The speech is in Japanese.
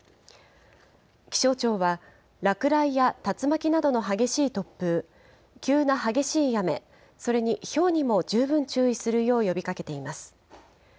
気象庁は、落雷や竜巻などの激しい突風、急な激しい雨、それにひょうにも十分注意するよう呼びかけています。